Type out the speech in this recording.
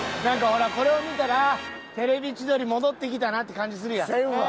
なんかほらこれを見たら『テレビ千鳥』戻ってきたなって感じするやん。